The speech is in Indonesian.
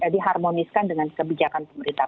diharmoniskan dengan kebijakan pemerintah